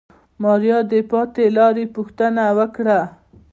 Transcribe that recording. ماريا د پاتې لارې پوښتنه وکړه.